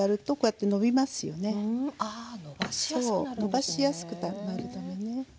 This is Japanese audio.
のばしやすくなるためね。